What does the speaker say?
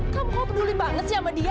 kamu kok peduli banget sama dia